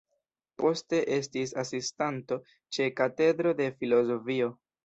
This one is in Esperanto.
Poste estis asistanto ĉe katedro de filozofio.